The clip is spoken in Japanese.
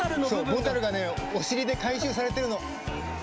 そうボタルがねお尻で回収されてるの。